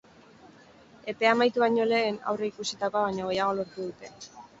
Epea amaitu baino lehen, aurre ikusitakoa baino gehiago lortu dute.